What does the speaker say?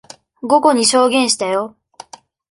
午後に証言したよ。